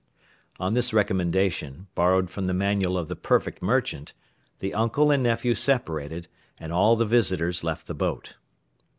On this recommendation, borrowed from the manual of the perfect merchant, the uncle and nephew separated, and all the visitors left the boat.